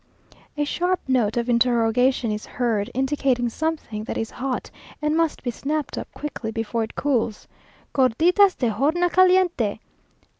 A sharp note of interrogation is heard, indicating something that is hot, and must be snapped up quickly before it cools. "Gorditas de horna caliente?"